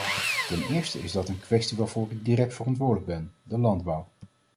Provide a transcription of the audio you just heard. Ten eerste is dat een kwestie waarvoor ik direct verantwoordelijk ben: de landbouw.